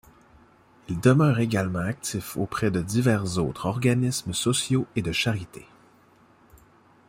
Il demeure également actif auprès de divers autres organismes sociaux et de charité.